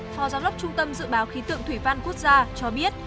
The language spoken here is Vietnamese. phó giám đốc trung tâm dự báo khí tượng thủy văn quốc gia cho biết